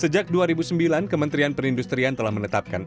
sejak dua ribu sembilan kementerian perindustrian telah menetapkan